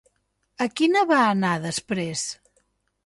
A quina va anar després?